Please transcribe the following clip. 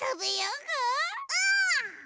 うん！